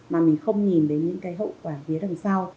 mà mình không nhìn đến những cái hậu quả phía đằng sau